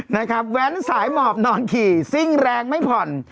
แว้นสายหมอบนอนขี่ซิ่งแรงไม่ผ่อน